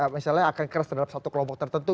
misalnya akan keras terhadap satu kelompok tertentu